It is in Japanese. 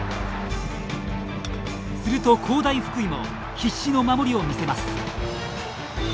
すると工大福井も必死の守りを見せます。